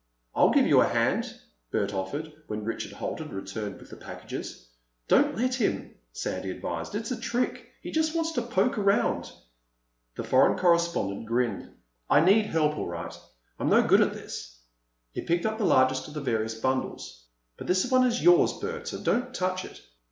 "I'll give you a hand," Bert offered, when Richard Holt had returned with the packages. "Don't let him," Sandy advised. "It's a trick. He just wants to poke around." The foreign correspondent grinned. "I need help, all right. I'm no good at this." He picked up the largest of the various bundles. "But this one is yours, Bert, so don't touch it."